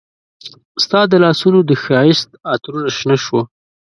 ستا د لاسونو د ښایست عطرونه شنه شوه